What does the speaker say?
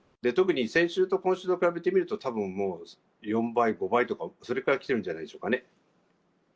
特に先週と今週と比べてみると、たぶんもう４倍、５倍とか、それぐらい来てるんじゃないでしょうかね。